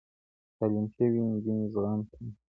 تعليم شوې نجونې زغم ښيي.